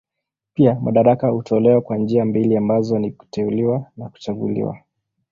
Pia madaraka hutolewa kwa njia mbili ambazo ni kuteuliwa na kuchaguliwa.